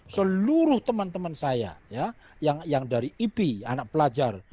seluruh teman teman saya yang dari ipi anak pelajar